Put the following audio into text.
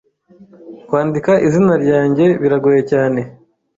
Kwandika izina ryanjye biragoye cyane,